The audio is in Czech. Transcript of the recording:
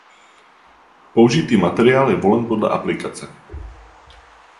Použitý materiál je volen podle aplikace.